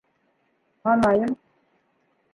- Һанайым.